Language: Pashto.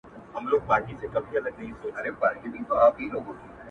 دا وطن به خپل مالک ته تسلمیږي-